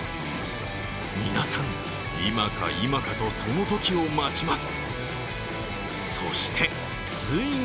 皆さん、今か今かとその時を待ちます。